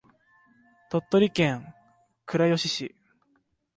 鳥取県倉吉市